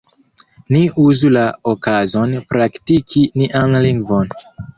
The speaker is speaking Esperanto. Ni uzu la okazon praktiki nian lingvon!